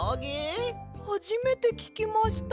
はじめてききました。